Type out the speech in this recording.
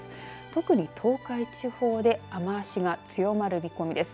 特に東海地方で雨足が強まる見込みです。